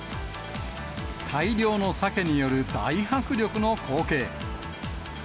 大量のサケによる大迫力の光景。